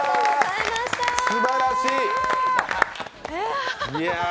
すばらしい。